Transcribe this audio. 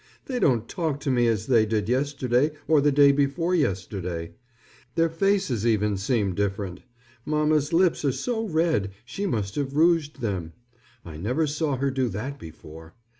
They don't talk to me as they did yesterday or the day before yesterday. Their faces even seem different. Mamma's lips are so red she must have rouged them. I never saw her do that before.